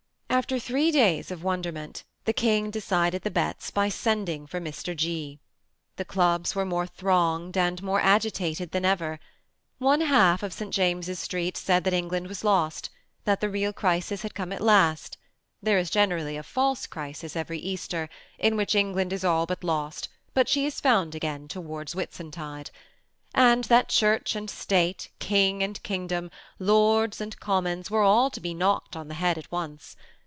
Ailer three days of wonderment, the King decided the bets by sending for Mr. G. The clubs were more thronged and more agitated than ever. One half of St. James's Street said that England was lost, that the real erisis had come at last, (there is generally a false crisis every Easter, in which England is all but lost, but she is found again towards Whitsuntide,) and that Church and State, King and kingdom, Lords and Commons, were all to be knocked on the head at once.